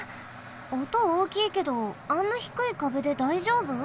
おとおおきいけどあんなひくいかべでだいじょうぶ？